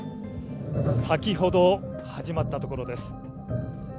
先ほど始まったところです。